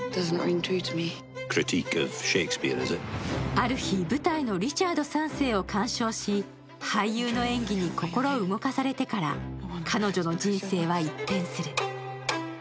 ある日、舞台の「リチャード３世」を鑑賞し俳優の演技に心動かされてから彼女の人生は一変する。